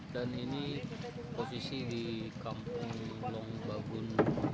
dan ini posisi di kampung longbagun